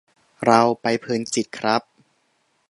เรา : ไปเพลินจิตครับ